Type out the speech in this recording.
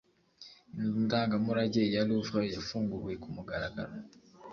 Inzu ndangamurage ya Louvre yafunguwe ku mugaragaro